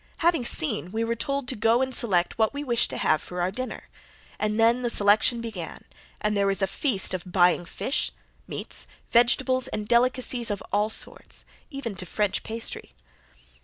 Having seen we were told to go and select what we wished to have for our dinner, and then the selection began and there was a feast of buying fish, meats, vegetables and delicacies of all sorts, even to French pastry.